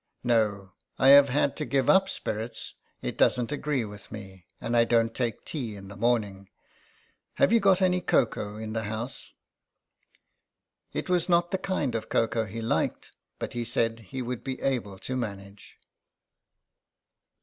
" No, I have had to give up spirits. It doesn't agree with me. And I don't take tea in the morning. Have you got any cocoa in the house ?" It was not the kind of cocoa he liked, but he said he would be able to manage.